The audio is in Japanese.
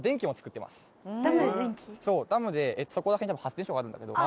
そうダムでそこら辺に発電所があるんだけど。